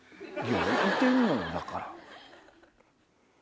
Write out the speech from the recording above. いてんのよだから。